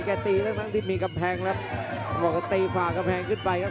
ตีทั้งที่มีกำแพงแล้วบอกว่าตีฝ่ากำแพงขึ้นไปครับ